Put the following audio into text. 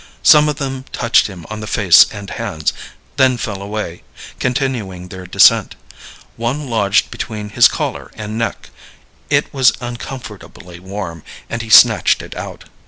Some of them touched him on the face and hands, then fell away, continuing their descent. One lodged between his collar and neck; it was uncomfortably warm, and he snatched it out.